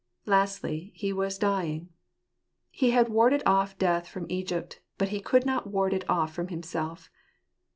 Lastly, he was dying. He had warded off death from Egypt ; but he could not ward it off from himself.